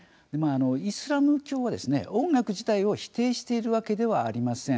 イスラム教は音楽自体を否定しているわけではありません。